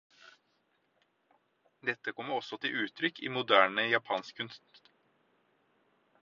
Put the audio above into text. Dette kommer også til uttrykk i moderne japansk kunst.